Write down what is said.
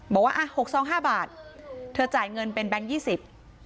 บอกว่าอ่ะหกซองห้าบาทเธอจ่ายเงินเป็นแบงค์ยี่สิบ